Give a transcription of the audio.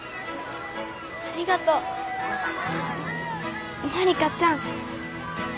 ありがとうまりかちゃん。